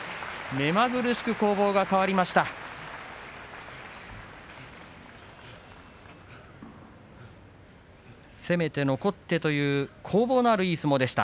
目まぐるしく相撲が変わりました。